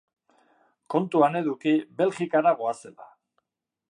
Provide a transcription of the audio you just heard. Kontuan eduki Belgikara goazela.